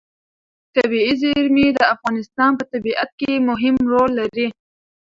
طبیعي زیرمې د افغانستان په طبیعت کې مهم رول لري.